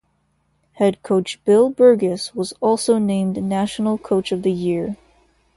Head coach Bill Burgess was also named national coach of the year.